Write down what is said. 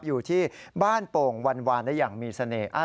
อยู่ที่บ้านโป่งวานได้อย่างมีเสน่ห์